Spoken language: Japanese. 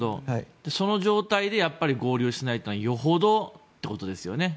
その状態で合流しないというのはよほどということですよね。